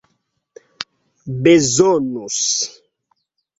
bezonus